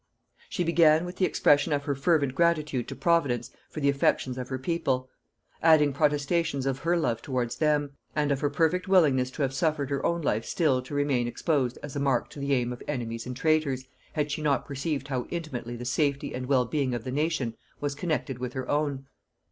She began with the expression of her fervent gratitude to Providence for the affections of her people; adding protestations of her love towards them, and of her perfect willingness to have suffered her own life still to remain exposed as a mark to the aim of enemies and traitors, had she not perceived how intimately the safety and well being of the nation was connected with her own.